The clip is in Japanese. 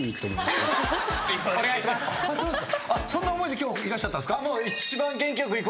そんな思いで今日いらっしゃったんですか？